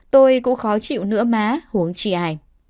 tôi cũng khó chịu nữa má huống chi ai